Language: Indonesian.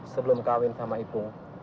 sebelum kawin sama ipung